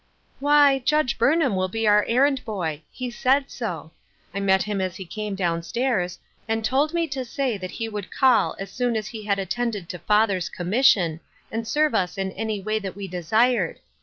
" Why, Judge Burnham will be oui' errand boy — he said so. I met him as he came down stairs, and he told me to say that he would call as soon as he had attended to father's commis sion, and serve us in any way that we desired.